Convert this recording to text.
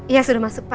ya sudah masuk pak